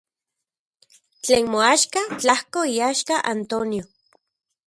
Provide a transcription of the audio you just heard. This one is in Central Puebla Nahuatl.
Tlen moaxka, tlajko iaxka Antonio.